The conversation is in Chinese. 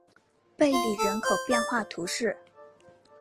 贝里人口变化图示